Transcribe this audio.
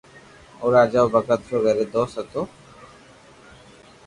او راجا او ڀگت رو گھرو دوست ھتو